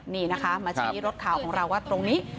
นี่นะคะมาชี้รถข่าวของเราว่าตรงนี้